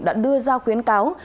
đã đưa ra khuyến cáo